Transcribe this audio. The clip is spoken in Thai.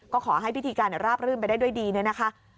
ก็ขอให้พิธีการราบรื่นไปได้ด้วยดีเนี่ยนะคะ